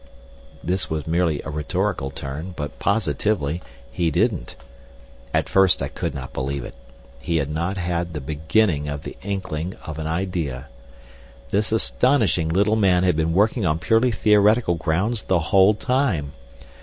That was merely a rhetorical turn, but positively, he didn't. At first I could not believe it. He had not had the beginning of the inkling of an idea. This astonishing little man had been working on purely theoretical grounds the whole time!